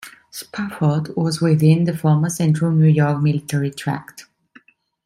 Spafford was within the former Central New York Military Tract.